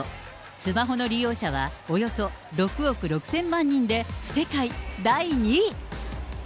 スマホの利用者はおよそ６億６０００万人で、世界第２位。